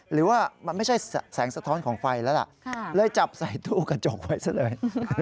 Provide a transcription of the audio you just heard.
หรือว่ามันไม่ใช่แสงสะท้อนของไฟแล้วล่ะเลยจับใส่ตู้กระจกไว้ซะเลย